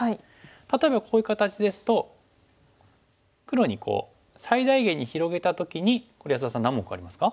例えばこういう形ですと黒にこう最大限に広げた時にこれ安田さん何目ありますか？